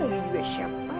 oh dia juga siapa nih